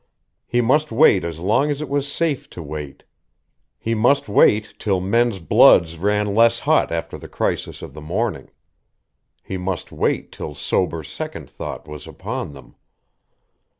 He must wait as long as it was safe to wait; he must wait till men's bloods ran less hot after the crisis of the morning. He must wait till sober second thought was upon them....